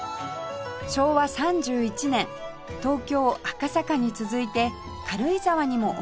昭和３１年東京赤坂に続いて軽井沢にもお店を構えた榮林